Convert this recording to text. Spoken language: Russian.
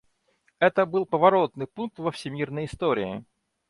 Это был поворотный пункт во всемирной истории.